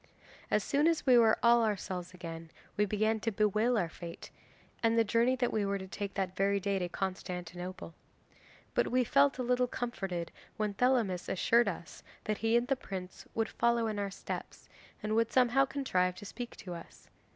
'As soon as we were all ourselves again we began to bewail our fate, and the journey that we were to take that very day to Constantinople. But we felt a little comforted when Thelamis assured us that he and the prince would follow in our steps, and would somehow contrive to speak to us.